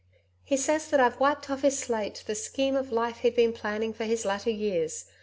He says that I've wiped off his slate the scheme of life he'd been planning for his latter years.